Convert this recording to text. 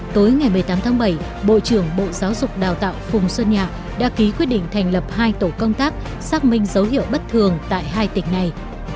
tối ngày một mươi tám tháng bảy bộ trưởng bộ giáo dục đào tạo phùng xuân nhạ đã ký quyết định thành lập hai tổ công tác xác minh dấu hiệu bất thường tại hai tỉnh này